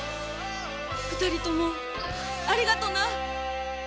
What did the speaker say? ２人ともありがとな！